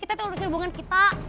kita harus terusin hubungan kita